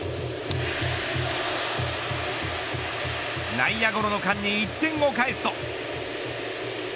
内野ゴロの間に１点を返すと。